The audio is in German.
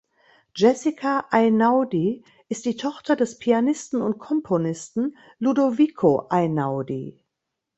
Jessica Einaudi ist die Tochter des Pianisten und Komponisten Ludovico Einaudi.